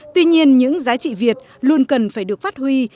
tuy nhiên những giá trị việt luôn cần phải được phát huy